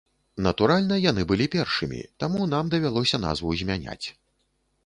Натуральна, яны былі першымі, таму нам давялося назву змяняць.